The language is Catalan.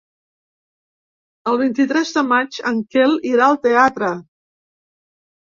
El vint-i-tres de maig en Quel irà al teatre.